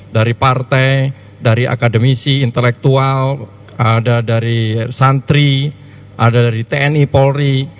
dari partai dari akademisi intelektual ada dari santri ada dari tni polri